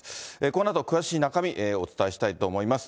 このあと詳しい中身お伝えしたいと思います。